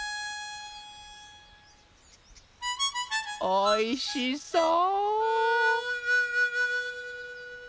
おいしそう！